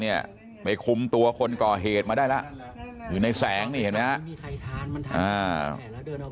เนี่ยไปคุมตัวคนก่อเหตุมาได้ละในแสงนี่มีใครทานมันทาน